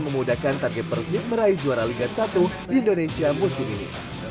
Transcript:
memudahkan target persib meraih juara liga satu di indonesia musim ini